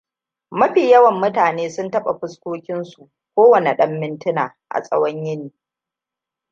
Mafi yawan mutane suna taɓa fuskokinsu kowane ɗan mintuna, a tsawon yini.